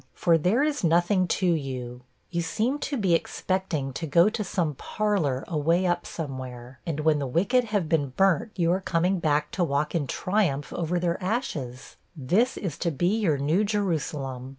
for there is nothing to you. 'You seem to be expecting to go to some parlor away up somewhere, and when the wicked have been burnt, you are coming back to walk in triumph over their ashes this is to be your New Jerusalem!!